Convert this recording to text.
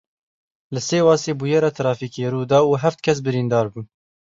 Li Sêwasê bûyera trafîkê rû da heft kes birîndar bûn.